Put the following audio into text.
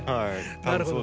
なるほど。